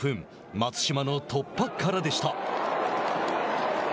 松島の突破からでした。